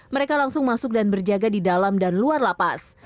mereka langsung masuk dan berjaga di dalam dan luar lapas